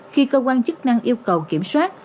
khi cơ quan chức năng yêu cầu kiểm soát